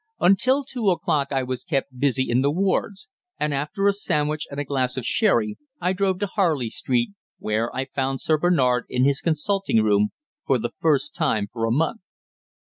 Until two o'clock I was kept busy in the wards, and after a sandwich and a glass of sherry I drove to Harley Street, where I found Sir Bernard in his consulting room for the first time for a month.